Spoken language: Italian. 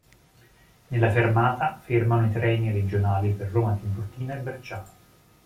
Nella fermata fermano i treni regionali per Roma Tiburtina e Bracciano.